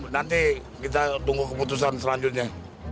nanti kita tunggu keputusan selanjutnya